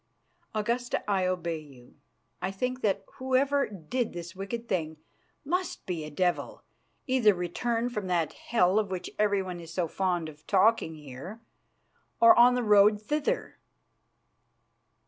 "Augusta, I obey you. I think that whoever did this wicked thing must be a devil, either returned from that hell of which everyone is so fond of talking here, or on the road thither."